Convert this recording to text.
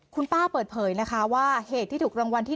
คุณป้าเปิดเผยนะคะว่าเหตุที่ถูกรางวัลที่๑